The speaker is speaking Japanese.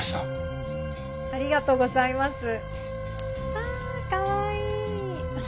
わあかわいい！